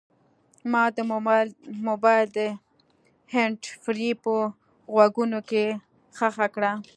ما د موبایل هینډفري په غوږونو کې ښخه کړه.